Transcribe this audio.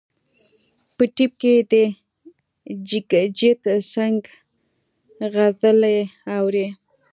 په ټیپ کې د جګجیت سنګ غزلې اوري.